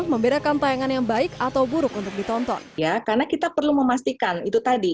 membedakan tayangan yang baik atau buruk untuk ditonton ya karena kita perlu memastikan itu tadi